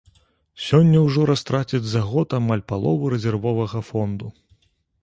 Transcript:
Сёння ўжо растрацяць за год амаль палову рэзервовага фонду.